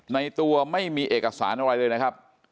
ในตัวไม่มีเอกสารอะไรเลยนะครับ